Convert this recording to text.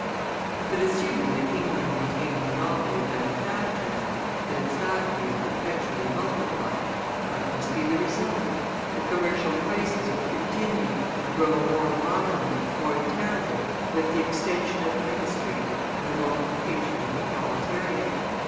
But assuming that England retained the monopoly of manufactures, that its factories perpetually multiply, what must be the result? The commercial crises would continue, and grow more violent, more terrible, with the extension of industry and the multiplication of the proletariat.